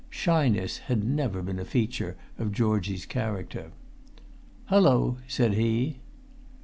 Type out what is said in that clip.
Shyness had never been a feature of Georgie's character. "Hallo!" said he.